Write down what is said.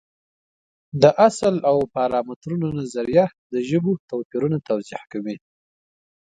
د اصل او پارامترونو نظریه د ژبو توپیرونه توضیح کوي.